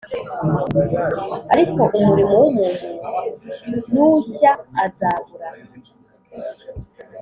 Ariko umurimo w umuntu nushya azabura